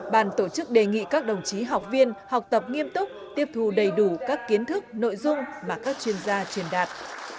bàn tổ chức đề nghị các đồng chí học viên học tập nghiêm túc tiếp thù đầy đủ các kiến thức nội dung mà các chuyên gia truyền đạt